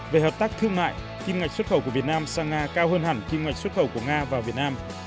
về hợp tác thương mại kim ngạch xuất khẩu của việt nam sang nga cao hơn hẳn kim ngạch xuất khẩu của nga vào việt nam